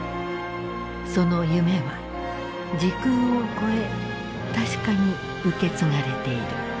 その夢は時空を超え確かに受け継がれている。